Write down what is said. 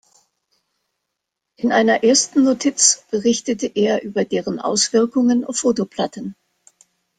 In einer ersten Notiz berichtete er über deren Auswirkungen auf Fotoplatten.